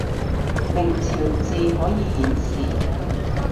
明朝字可以顯示